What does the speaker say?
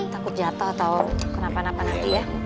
takut jatuh atau kenapa napa nanti ya